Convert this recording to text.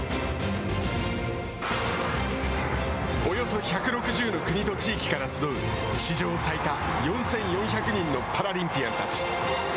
およそ１６０の国と地域から集う史上最多、４４００人のパラリンピアンたち。